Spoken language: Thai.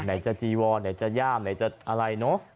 ไหนจะจีวอนไหนจะย่ามไหนจะอะไรเนอะ